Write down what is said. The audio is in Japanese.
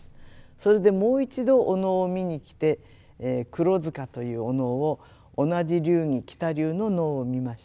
それでもう一度お能を見にきて「黒塚」というお能を同じ流儀喜多流の能を見ました。